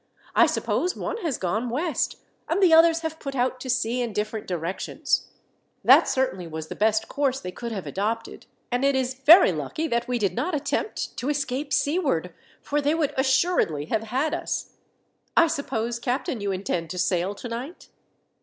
I suppose one has gone west, and the others have put out to sea in different directions. That certainly was the best course they could have adopted, and it is very lucky that we did not attempt to escape seaward, for they would assuredly have had us. I suppose, captain, you intend to sail tonight."